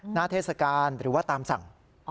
เทศกาลหรือว่าตามสั่ง